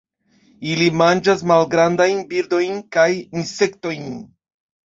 Ili manĝas malgrandajn birdojn kaj insektojn.